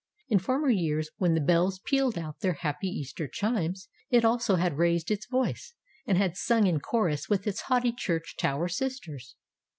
In former years, when the bells pealed out their happy Easter chimes, it also had raised its voice, and had sung in chorus with its haughty church tower sisters.